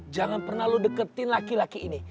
jangan pernah lu deketin laki laki ini